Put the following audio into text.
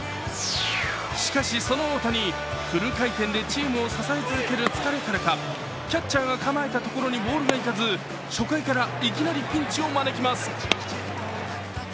しかしその大谷、フル回転でチームを支え続ける疲れからかキャッチャーが構えたところにボールが行かず、初回からいきなりピンチを招きます。